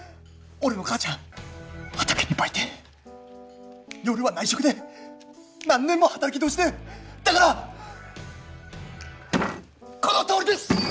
俺の母ちゃん畑に売店夜は内職で何年も働き通しでだからこのとおりです！